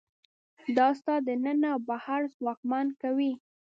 دا ستا دننه او بهر ځواکمن کوي.